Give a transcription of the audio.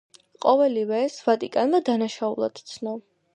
ყოველივე ეს ვატიკანმა დანაშაულად ცნო.